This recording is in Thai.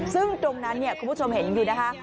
ซึ่งตรงนั้นคุณผู้ชมเห็นอยู่นะคะ